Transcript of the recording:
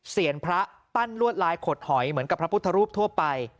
พระปั้นลวดลายขดหอยเหมือนกับพระพุทธรูปทั่วไป